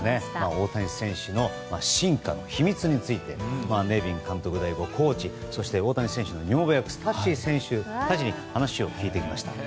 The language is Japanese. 大谷選手の進化の秘密についてネビン監督代行コーチ、大谷選手の女房役スタッシ選手などに話を聞いてきました。